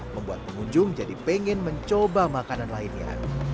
membuat pengunjung jadi pengen mencoba makanan lainnya